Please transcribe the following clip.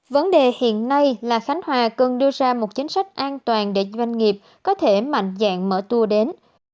vấn đề hiện nay là khánh hòa cần đưa ra một chính sách an toàn để doanh nghiệp có thể mạnh dạng mở tour đến